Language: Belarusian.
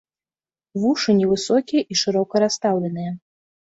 Вушы невысокія і шырока расстаўленыя.